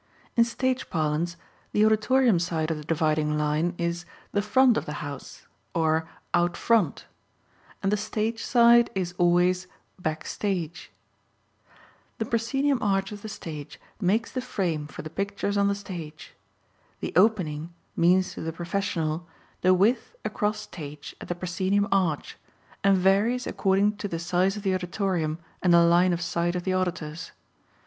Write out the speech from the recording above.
In stage parlance the auditorium side of the dividing line is the "front of the house," or "out front," and the stage side is always "back stage." The proscenium arch of the stage makes the frame for the pictures on the stage. "The opening" means to the professional the width across stage at the proscenium arch, and varies according to the size of the auditorium and the line of sight of the auditors.